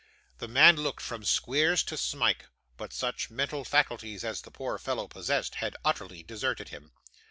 The man looked from Squeers to Smike; but such mental faculties as the poor fellow possessed, had utterly deserted him.